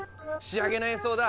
仕上げの演奏だ。